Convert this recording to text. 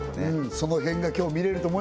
その辺が今日見れると思います